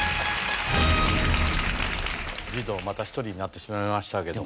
児童また１人になってしまいましたけども。